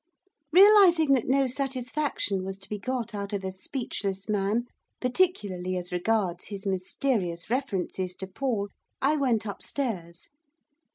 Realising that no satisfaction was to be got out of a speechless man particularly as regards his mysterious references to Paul I went upstairs.